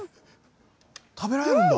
食べられるんだ？